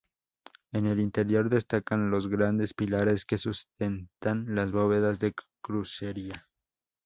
En el interior destacan los grandes pilares que sustentan las bóvedas de crucería.